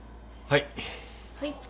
はい。